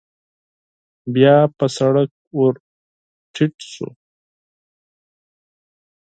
بيا په سړک ور ټيټ شو.